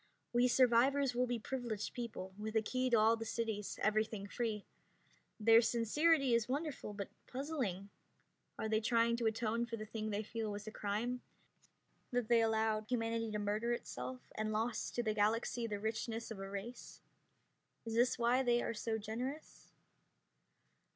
We survivors will be privileged people, with a key to all the cities, everything free. Their sincerity is wonderful, but puzzling. Are they trying to atone for the thing they feel was a crime; that they allowed humanity to murder itself, and lost to the Galaxy the richness of a race? Is this why they are so generous?